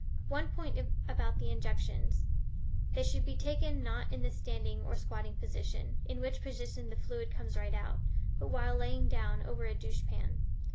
One point about the injections: they should be taken not in the standing or squatting position (in which position the fluid comes right out), but while laying down, over a douche pan.